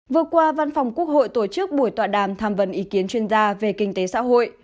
vừa qua văn phòng quốc hội tổ chức buổi tọa đàm tham vấn ý kiến chuyên gia về kinh tế xã hội